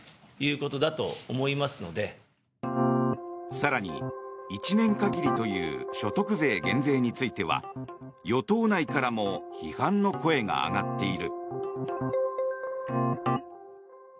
更に１年限りという所得税減税については与党内からも批判の声が上がっている。